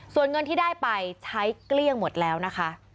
ส่วนเงินที่ได้ไปใช้เกลี้ยงหมดแล้วนะคะ